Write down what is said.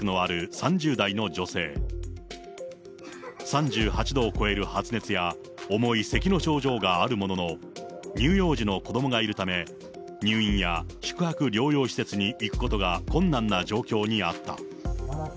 ３８度を超える発熱や重いせきの症状があるものの、乳幼児の子どもがいるため、入院や宿泊療養施設に行くことが困難な状況にあった。